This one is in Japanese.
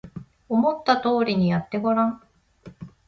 思った通りにやってごらん